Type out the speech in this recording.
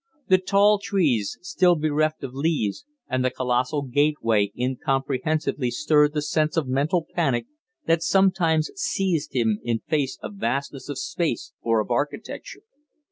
The tall trees, still bereft of leaves, and the colossal gateway incomprehensively stirred the sense of mental panic that sometimes seized him in face of vastness of space or of architecture.